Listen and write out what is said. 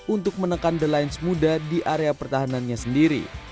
untuk menekan the lines muda di area pertahanannya sendiri